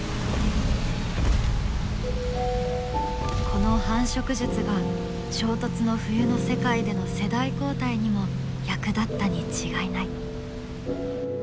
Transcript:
この繁殖術が衝突の冬の世界での世代交代にも役立ったに違いない。